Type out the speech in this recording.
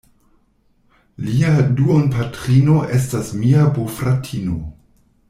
Lia duonpatrino estas mia bofratino.